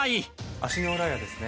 足の裏やですね